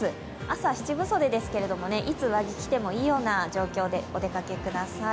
朝七分袖ですけれども、いつ上着着てもいい状況でお出かけください。